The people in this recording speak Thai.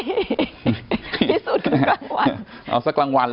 ที่สุดครึ่งกลางวัน